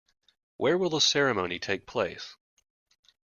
Where will the ceremony take place?